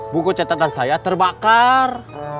buku catatan saya terbakar